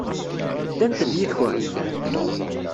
Ddant-d yid-kent?